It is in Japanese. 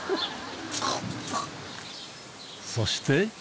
そして。